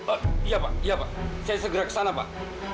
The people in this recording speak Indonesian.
oh iya pak saya segera ke sana pak